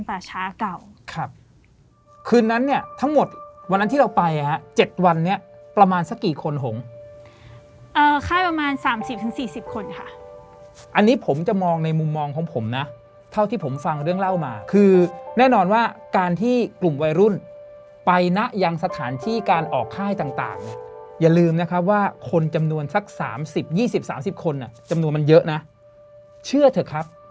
เนี้ยทั้งหมดวันนั้นที่เราไปอ่ะเจ็ดวันนี้ประมาณสักกี่คนหงอ่าค่ายประมาณสามสิบถึงสี่สิบคนค่ะอันนี้ผมจะมองในมุมมองของผมน่ะเท่าที่ผมฟังเรื่องเล่ามาคือแน่นอนว่าการที่กลุ่มวัยรุ่นไปนะยังสถานที่การออกค่ายต่างต่างเนี้ยอย่าลืมนะครับว่าคนจำนวนสักสามสิบยี่สิบสามสิบคนอ่ะจำนวนมันเยอะน่ะเชื่อ